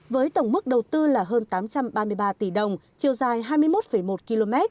với tổng mức đầu tư là hơn tám trăm ba mươi ba tỷ đồng chiều dài hai mươi một một km